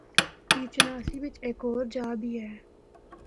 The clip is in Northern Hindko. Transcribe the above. پیرچناسی بچ ہک ہور جآ بھی اے۔